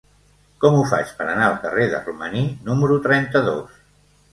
Com ho faig per anar al carrer de Romaní número trenta-dos?